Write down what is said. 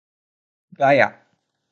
ガヤ